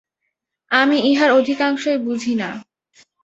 আমি ইহার অধিকাংশই বুঝি না।